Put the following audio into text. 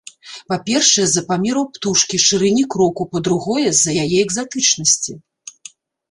Па-першае, з-за памераў птушкі, шырыні кроку, па-другое, з-за яе экзатычнасці.